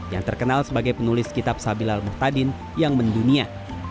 yang terkenal sebagai penulis kitab sabilal mukhtadin yang mendunia